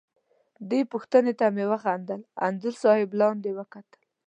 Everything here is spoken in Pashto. دې پوښتنې ته مې وخندل، انځور صاحب لاندې وکتل.